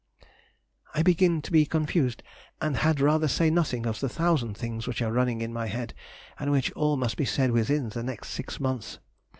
I begin to be confused, and had rather say nothing of the thousand things which are running in my head, and which all must be said within the next six months.